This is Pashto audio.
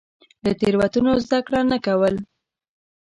له تېروتنو زده کړه نه کول.